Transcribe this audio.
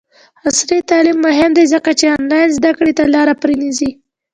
عصري تعلیم مهم دی ځکه چې آنلاین زدکړې ته لاره پرانیزي.